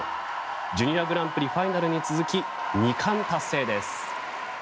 ジュニアグランプリファイナルに続き２冠達成です。